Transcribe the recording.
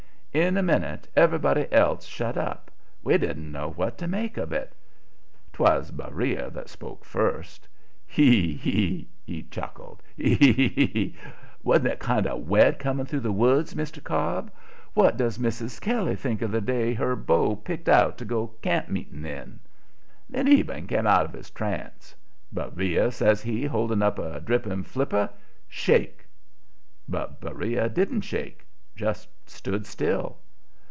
In a minute everybody else shut up. We didn't know what to make of it. 'Twas Beriah that spoke first. "He! he! he!" he chuckled. "He! he! he! Wasn't it kind of wet coming through the woods, Mr. Cobb? What does Mrs. Kelly think of the day her beau picked out to go to camp meeting in?" Then Eben came out of his trance. "Beriah," says he, holding out a dripping flipper, "shake!" But Beriah didn't shake. Just stood still.